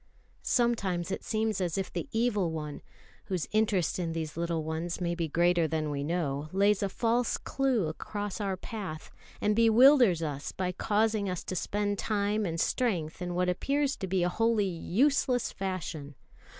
Sometimes it seems as if the Evil One, whose interest in these little ones may be greater than we know, lays a false clue across our path, and bewilders us by causing us to spend time and strength in what appears to be a wholly useless fashion.